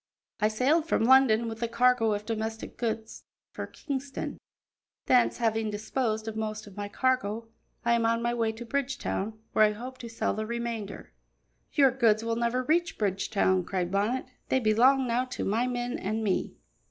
"I sailed from London with a cargo of domestic goods for Kingston; thence, having disposed of most of my cargo, I am on my way to Bridgetown, where I hope to sell the remainder." "Your goods will never reach Bridgetown," cried Bonnet; "they belong now to my men and me."